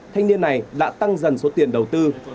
thanh niên này đã tăng dần số tiền đầu tư